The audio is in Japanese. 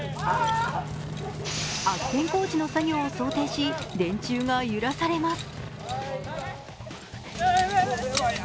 悪天候時の作業を想定し、電柱が揺らされます。